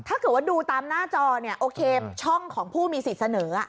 ถ้าเกิดว่าดูตามหน้าจอเนี่ยโอเคช่องของผู้มีสิทธิ์เสนอ